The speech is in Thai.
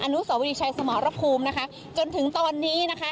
นุสวรีชัยสมรภูมินะคะจนถึงตอนนี้นะคะ